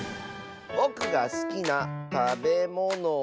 ぼくがすきなたべものは。